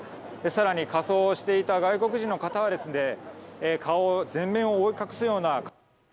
更に仮装をしていた外国人の方は顔を前面を覆い隠すような。